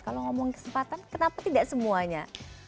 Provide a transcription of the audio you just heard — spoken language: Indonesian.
kalau ngomongin kesempatan kenapa tidak semuanya